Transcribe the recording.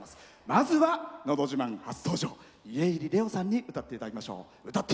まずは「のど自慢」初登場家入レオさんに歌っていただきましょう。